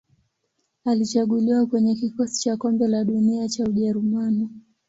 Alichaguliwa kwenye kikosi cha Kombe la Dunia cha Ujerumani.